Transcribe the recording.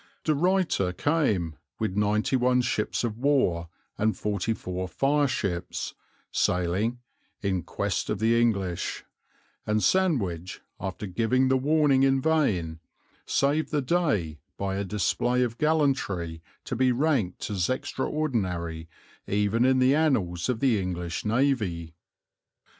De Ruyter came, with ninety one ships of war and forty four fireships, sailing "in quest of the English," and Sandwich, after giving the warning in vain, saved the day by a display of gallantry to be ranked as extraordinary even in the annals of the English navy.